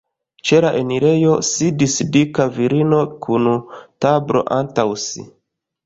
Ĉe la enirejo sidis dika virino kun tablo antaŭ si.